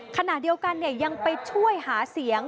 ขนาดเดียวกันเนี่ยยังไปช่วยหาเสียง